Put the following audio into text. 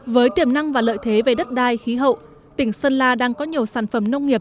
với tiềm năng và lợi thế về đất đai khí hậu tỉnh sơn la đang có nhiều sản phẩm nông nghiệp